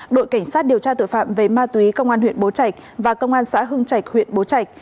đội cảnh sát điều tra tội phạm về ma túy công an huyện bố trạch và công an xã hương trạch huyện bố trạch